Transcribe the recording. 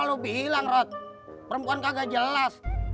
lo bilang rod perempuan kagak jelas